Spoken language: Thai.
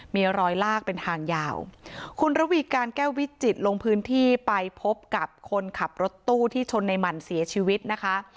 มีรอยลากเป็นทางยาวคุณระวีการแก้ววิจิตรลงพื้นที่ไปพบกับคนขับรถตู้ที่ชนในหมั่นเสียชีวิตนะคะ